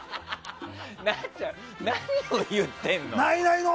何を言ってるの？